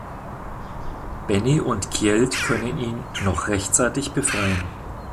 Benny und Kjeld können ihn noch rechtzeitig befreien.